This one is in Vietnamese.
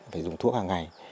phải dùng thuốc hàng ngày